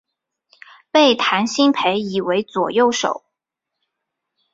被谭鑫培倚为左右手。